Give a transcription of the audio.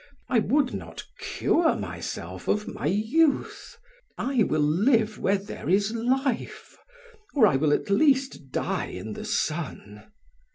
I would not cure myself of my youth; I will live where there is life, or I will at least die in the sun."